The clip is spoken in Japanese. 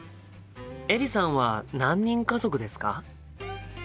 エリさんは何人家族ですか？